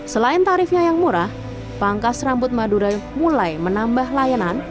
selain tarifnya yang murah pangkas rambut madura mulai menambah layanan